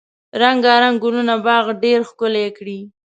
رنګارنګ ګلونه باغ ډیر ښکلی کړی.